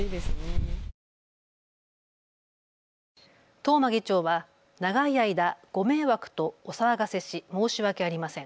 東間議長は長い間、ご迷惑とお騒がせし申し訳ありません。